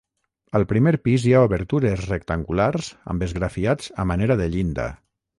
Al primer pis hi ha obertures rectangulars amb esgrafiats a manera de llinda.